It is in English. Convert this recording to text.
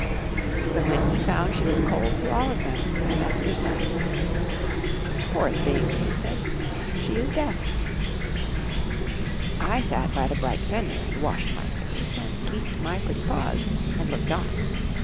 But when he found she was cold to all of them, my master sighed. "Poor thing!" he said; "she is deaf." I sat by the bright fender, and washed my face, and sleeked my pretty paws, and looked on.